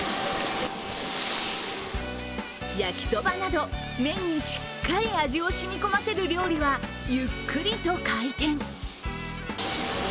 焼きそばなど、麺にしっかり味を染み込ませる料理はゆっくりと回転。